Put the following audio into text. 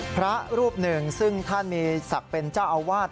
พระรูปหนึ่งซึ่งท่านมีศักดิ์เป็นเจ้าอาวาส